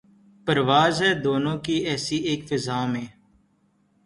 پرواز ہے دونوں کی اسی ایک فضا میں